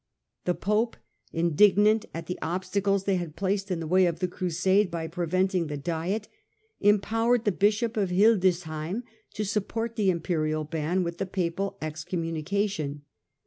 The Pope, indignant at the obstacles they had placed in the way of the Crusade by preventing the Diet, empowered the Bishop of Hildesheim to support the Imperial ban with the Papal excommunication.